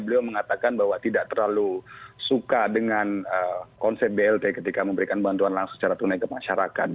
beliau mengatakan bahwa tidak terlalu suka dengan konsep blt ketika memberikan bantuan langsung secara tunai ke masyarakat